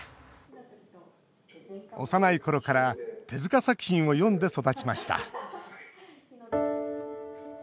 幼いころから手塚作品を読んで育ちました。